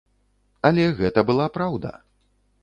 Але гэта была праўда.